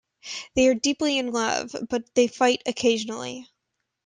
They are deeply in love, but they fight occasionally.